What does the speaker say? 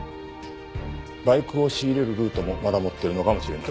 バイクを仕入れるルートもまだ持ってるのかもしれない。